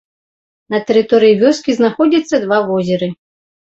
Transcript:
На тэрыторыі вёскі знаходзяцца два возеры.